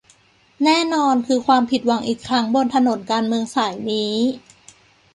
แน่นอนคือความผิดหวังอีกครั้งบนถนนการเมืองสายนี้